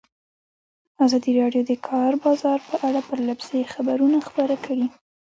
ازادي راډیو د د کار بازار په اړه پرله پسې خبرونه خپاره کړي.